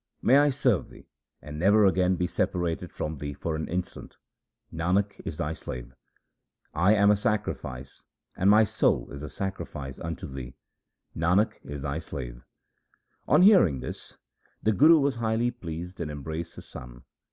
May I serve thee and never again be separated from thee for an instant ! Nanak is thy slave. I am a sacrifice, and my soul is a sacrifice unto thee : Nanak is thy slave. 1 On hearing this the Guru was highly pleased and embraced his son.